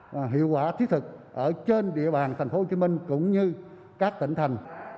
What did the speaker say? với hiệu quả thiết thực ở trên địa bàn tp hcm cũng như các tỉnh thành